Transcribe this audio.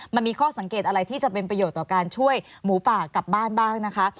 มันมีข้อสังเกตอะไรที่จะเป็นประโยชน์ต่อการช่วยหมูป่ากลับบ้านบ้างนะคะ